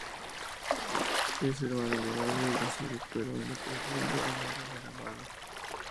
Él es malhumorado y grosero pero en lo profundo anhela ser amado.